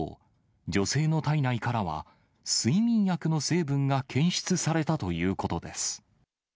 女性の体内からは、睡眠薬の成分が検出されたということです。